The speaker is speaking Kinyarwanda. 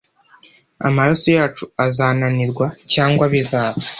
amaraso yacu azananirwa? cyangwa bizaba